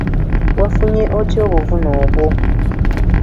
Wafunye otya obuvune obwo?